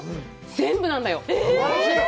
全部なんだよ。